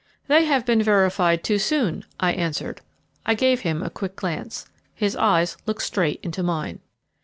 "They have been verified too soon," I answered. I gave him a quick glance. His eyes looked straight into mine.